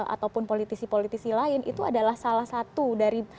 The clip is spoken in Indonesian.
ataupun politisi politisi lain itu adalah salah satu dari